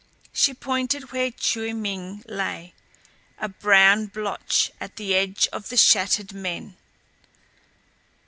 She pointed where Chiu Ming lay, a brown blotch at the edge of the shattered men.